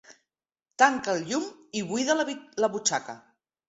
Tanca el llum i buida la butxaca.